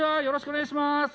よろしくお願いします！